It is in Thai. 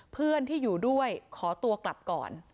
เพื่อนที่อยู่ด้วยขอตัวกลับก่อน